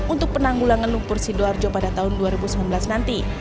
untuk penanggulangan lumpur sidoarjo pada tahun dua ribu sembilan belas nanti